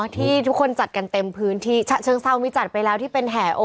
ที่ทุกคนจัดกันเต็มพื้นที่ฉะเชิงเศร้ามีจัดไปแล้วที่เป็นแห่